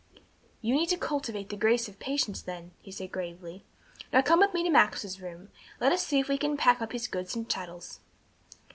"You need to cultivate the grace of patience, then," he said gravely. "Now come with me to Max's room, and let us see if we can pack up his goods and chattels."